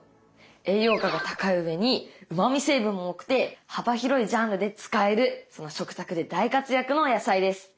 栄養価が高い上にうまみ成分も多くて幅広いジャンルで使える食卓で大活躍の野菜です。